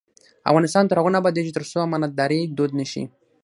افغانستان تر هغو نه ابادیږي، ترڅو امانتداري دود نشي.